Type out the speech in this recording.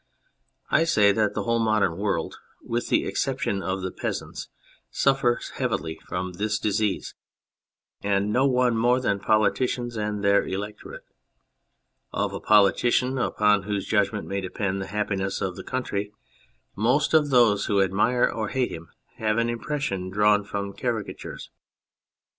I say that the whole modern world (with the exception of the peasants) suffers heavily from this disease, and no one more than politicians and their electorate. Of a politician upon whose judgment may depend the happiness of the country, most of those who admire or hate him have an impression drawn from caricatures.